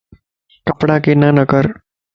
ڪپڙا ڪنا نڪر